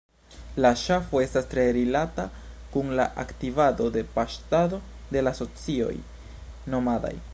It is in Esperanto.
La ŝafo estas tre rilata kun la aktivado de paŝtado de la socioj nomadaj.